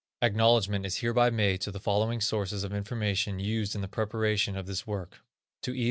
Acknowledgment is hereby made to the following sources of information used in the preparation of this work: to E.